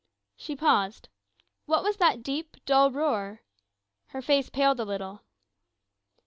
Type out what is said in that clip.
She paused. What was that deep, dull roar? Her face paled a little.